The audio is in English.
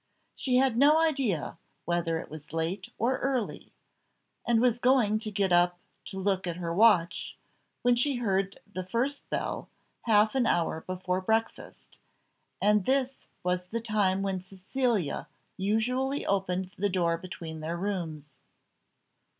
She had no idea whether it was late or early, and was going to get up to look at her watch, when she heard the first bell, half an hour before breakfast, and this was the time when Cecilia usually opened the door between their rooms.